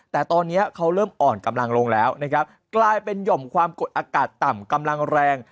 แต่ตอนนี้เขาเริ่มอ่อนกำลังลงแล้วนะครับกลายเป็นหย่อมความกดอากาศต่ำกำลังแรง